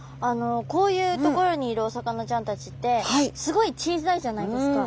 こういう所にいるお魚ちゃんたちってすごい小さいじゃないですか。